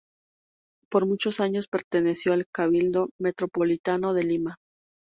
Por muchos años perteneció al Cabildo Metropolitano de Lima.